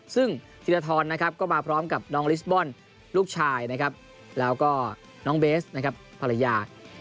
ซึ่งธีรทรนะครับก็มาพร้อมกับน้องลิสบอลลูกชายนะครับแล้วก็น้องเบสนะครับภรรยา